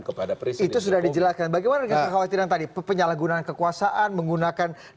misalnya tadi dengan menggunakan